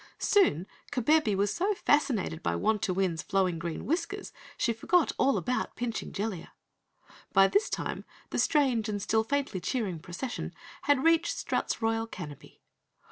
Soon, Kabebe was so fascinated by Wantowin's flowing green whiskers she forgot all about pinching Jellia. By this time the strange and still faintly cheering procession had reached Strut's Royal Canopy.